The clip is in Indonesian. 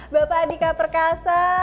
bapak adhika perkasa